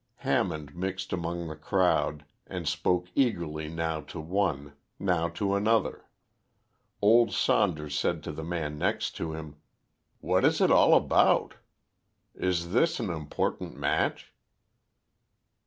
Hammond mixed among the crowd, and spoke eagerly now to one, now to another. Old Saunders said to the man next him "What is it all about? Is this an important match?"